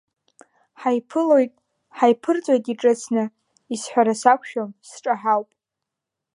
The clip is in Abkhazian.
Ҳаиԥылоит, ҳаиԥырҵуеит иҿыцны, исҳәара сақәшәом, сҿаҳауп.